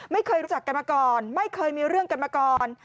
ไม่เคยรู้จักกันมาก่อนไม่เคยมีเรื่องกันมาก่อน